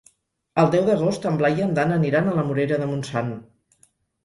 El deu d'agost en Blai i en Dan aniran a la Morera de Montsant.